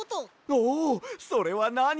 おおそれはなに？